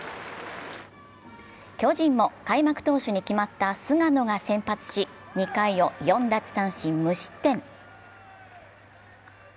巨人も開幕投手に決まった菅野が先発し、２回を４奪三振無失点。